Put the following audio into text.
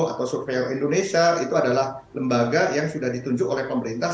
atau survei indonesia itu adalah lembaga yang sudah ditunjuk oleh pemerintah